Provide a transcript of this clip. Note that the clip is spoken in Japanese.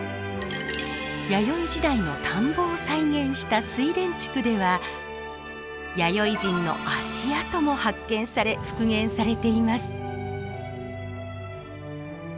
弥生時代の田んぼを再現した水田地区では弥生人の足跡も発見され復元されています。